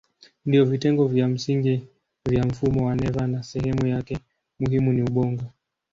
Ndiyo vitengo vya msingi vya mfumo wa neva na sehemu yake muhimu ni ubongo.